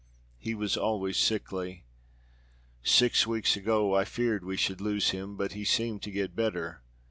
he was always sickly. Six weeks ago I feared we should lose him, but he seemed to get better."